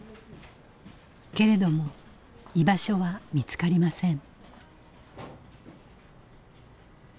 けれども居場所は見つかりません。